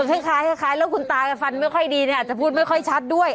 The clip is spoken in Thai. คล้ายแล้วคุณตาฟันไม่ค่อยดีเนี่ยอาจจะพูดไม่ค่อยชัดด้วย